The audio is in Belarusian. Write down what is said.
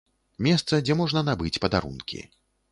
Месца, дзе можна набыць падарункі.